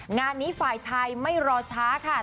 งานนี้ฝ่ายชายไม่รอช้าค่ะ